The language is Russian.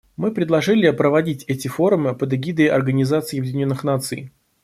Мы предложили проводить эти форумы под эгидой Организации Объединенных Наций.